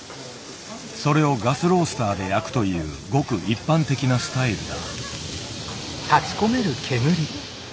それをガスロースターで焼くというごく一般的なスタイルだ。